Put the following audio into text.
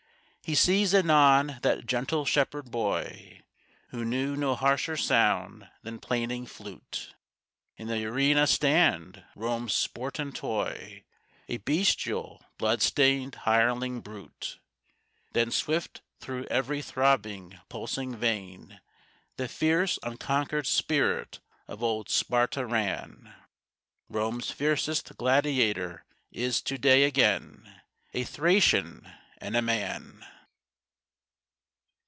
He sees anon that gentle shepherd boy, Who knew no harsher sound than plaining flute, In the arena stand Rome's sport and toy A bestial, blood stained hireling brute.... Then swift thro' every throbbing, pulsing vein The fierce unconquered spirit of old Sparta ran. Rome's fiercest gladiator is to day again A Thracian and a man!